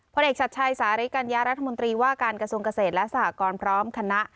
เอกชัดชัยสาริกัญญารัฐมนตรีว่าการกระทรวงเกษตรและสหกรพร้อมคณะ